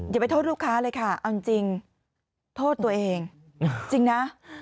อย่าไปโทษลูกค้าเลยค่ะเอาจริงโทษตัวเองจริงนะ